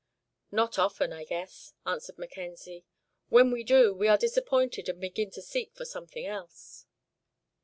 "Not often, I guess," answered Mackenzie. "When we do, we are disappointed and begin to seek for something else."